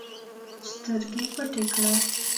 سترګي پټي کړه!